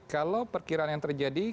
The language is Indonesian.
kalau perkiraan yang terjadi